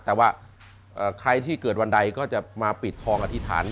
แต่ว่าใครที่เกิดวันใดก็จะมาปิดทองอธิษฐาน